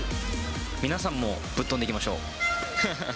皆さんもぶっ飛んでいきまし